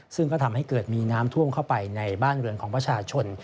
ซึ่งก็ทำให้เกิดมีน้ำท่วมเข้าไปในบ้านเรือนของประชาชน